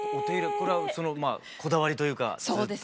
これはそのこだわりというかずっと。